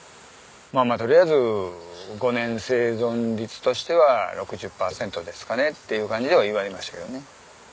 とりあえず５年生存率としては６０パーセントですかねっていう感じでは言われましたけどね。